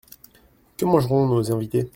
Que mangeront nos invités ?